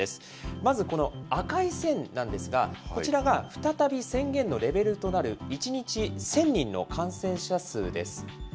まずこの赤い線なんですが、こちらが再び宣言のレベルとなる、１日１０００人の感染者数です。